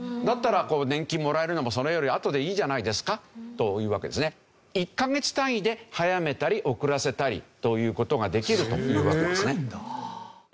だったら年金もらえるのもそれよりあとでいいじゃないですかというわけですね。という事ができるというわけですね。